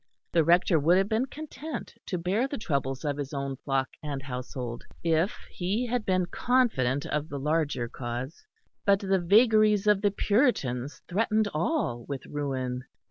The Rector would have been content to bear the troubles of his own flock and household if he had been confident of the larger cause; but the vagaries of the Puritans threatened all with ruin.